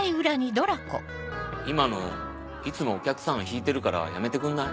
今のいつもお客さん引いてるからやめてくんない？